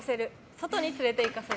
外に連れていかせる。